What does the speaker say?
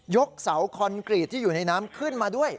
กเสาคอนกรีตที่อยู่ในน้ำขึ้นมาด้วย